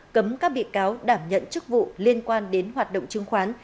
cấm các bị cáo đảm nhận chức vụ liên quan đến hoạt động chứng khoán